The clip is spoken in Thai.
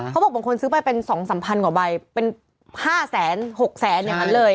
เขาบอกบางคนซื้อมาเป็น๒๓พันในกว่าใบเป็น๕แสน๖แสนอย่างนั้นเลย